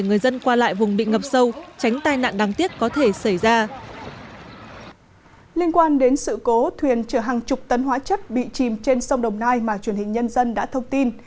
liên quan đến sự cố thuyền chở hàng chục tấn hóa chất bị chìm trên sông đồng nai mà truyền hình nhân dân đã thông tin